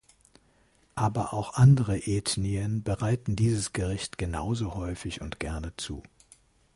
Aber auch andere Ethnien bereiten dieses Gericht genauso häufig und gerne zu.